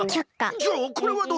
じゃあこれはどう？